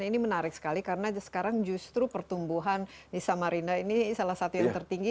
ini menarik sekali karena sekarang justru pertumbuhan di samarinda ini salah satu yang tertinggi